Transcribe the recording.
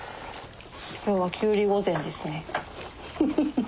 今日はきゅうり御膳ですね。